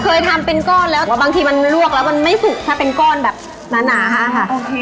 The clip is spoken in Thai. เคยทำเป็นก้อนแล้วบางทีมันลวกแล้วมันไม่สุกถ้าเป็นก้อนแบบหนาค่ะโอเค